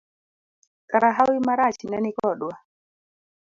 Kara hawi marach ne ni kodwa.